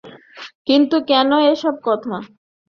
কিন্তু কেন এ-সব কথা!